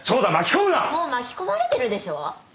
もう巻き込まれてるでしょ？